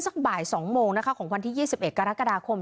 สักบ่าย๒โมงนะคะของวันที่๒๑กรกฎาคม